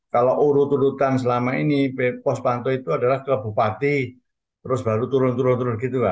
kalau urut urutan selama ini pos pantau itu adalah ke bupati terus baru turun turun gitu pak